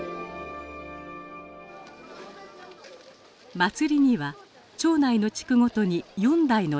祭りには町内の地区ごとに４台の山車が出ます。